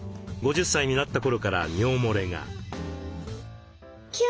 ５０歳になった頃から尿もれが。